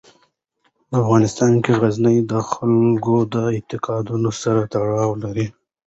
په افغانستان کې غزني د خلکو د اعتقاداتو سره تړاو لري.